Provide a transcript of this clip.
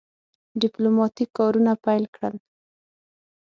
ډیپلوماټیک کارونه پیل کړل.